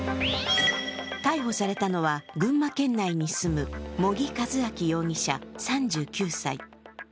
逮捕されたのは群馬県内に住む茂木和昭容疑者３９歳。